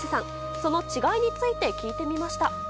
その違いについて聞いてみました。